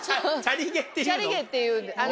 チャリ毛っていうの？